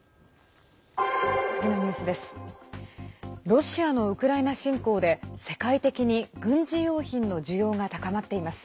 次のニュースです。